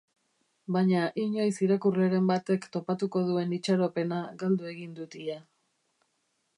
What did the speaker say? Baina inoiz irakurleren batek topatuko duen itxaropena galdu egin dut ia.